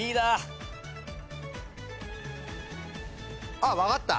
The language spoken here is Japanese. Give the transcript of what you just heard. あっ分かった。